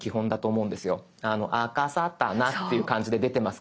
あかさたなっていう感じで出てますから。